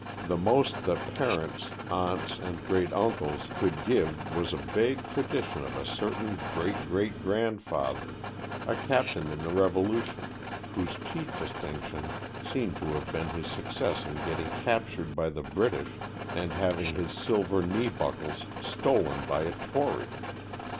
The most that parents, aunts and great uncles could give was a vague tradition of a certain great great grandfather, a captain in the Revolution whose chief distinction seemed to have been his success in getting captured by the British and having his silver knee buckles stolen by a Tory.